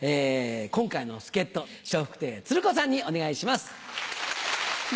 今回の助っ人笑福亭鶴光さんにお願いします！